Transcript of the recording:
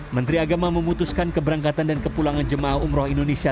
menteri agama memutuskan keberangkatan dan kepulangan jemaah umroh indonesia